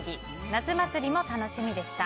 夏祭りも楽しみでした。